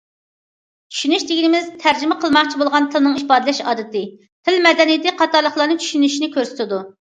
چۈشىنىش دېگىنىمىز تەرجىمە قىلماقچى بولغان تىلنىڭ ئىپادىلەش ئادىتى، تىل مەدەنىيىتى قاتارلىقلارنى چۈشىنىشنى كۆرسىتىدۇ.